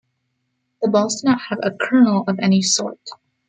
The balls do not have a kernel of any sort.